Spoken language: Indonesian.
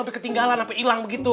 tapi ketinggalan sampai hilang begitu